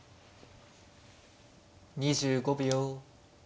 ２５秒。